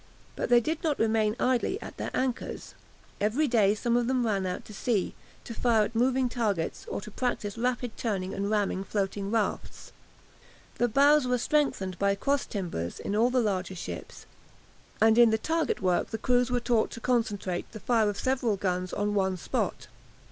But they did not remain idly at their anchors. Every day some of them ran out to sea, to fire at moving targets or to practise rapid turning and ramming floating rafts. The bows were strengthened by cross timbers in all the larger ships, and in the target work the crews were taught to concentrate the fire of several guns on one spot.